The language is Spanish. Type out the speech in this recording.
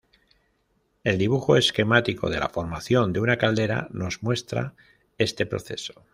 El dibujo esquemático de la formación de una caldera nos muestra este proceso.